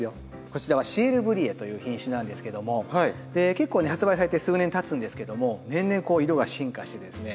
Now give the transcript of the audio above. こちらは‘シエルブリエ’という品種なんですけども結構ね発売されて数年たつんですけども年々こう色が進化してですね。